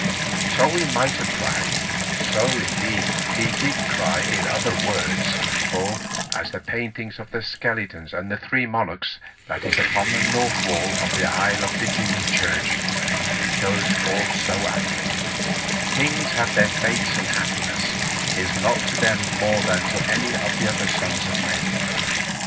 So he might have cried, so, indeed, he did cry in other words, for, as the painting of the skeletons and the three monarchs that is upon the north wall of the aisle of Ditchingham Church shows forth so aptly, kings have their fates and happiness is not to them more than to any other of the sons of men.